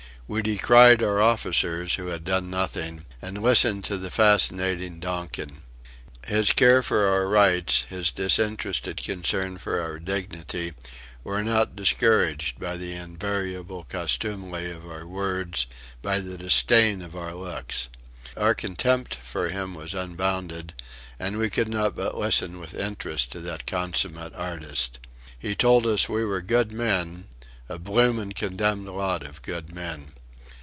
We decried our officers who had done nothing and listened to the fascinating Donkin. His care for our rights, his disinterested concern for our dignity, were not discouraged by the invariable contumely of our words, by the disdain of our looks. Our contempt for him was unbounded and we could not but listen with interest to that consummate artist. He told us we were good men a "bloomin' condemned lot of good men."